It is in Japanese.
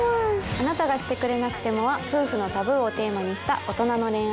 『あなたがしてくれなくても』は夫婦のタブーをテーマにした大人の恋愛ドラマです。